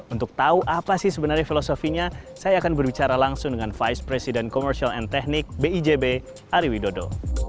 untuk tahu apa sih sebenarnya filosofinya saya akan berbicara langsung dengan vice president commercial and technic bijb ari widodo